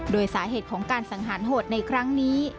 โดยสาเหตุของการสังหารโหดในครั้งนี้